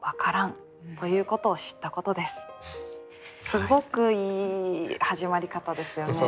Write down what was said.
すごくいい始まり方ですよね。